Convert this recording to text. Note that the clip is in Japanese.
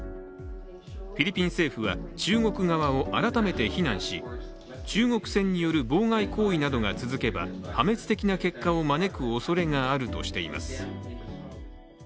フィリピン政府は中国側を改めて非難し、中国船による妨害行為などが続けば破滅的な結果を招くおそれがあるとしています